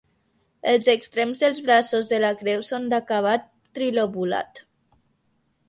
Els extrems dels braços de la creu són d'acabat trilobulat.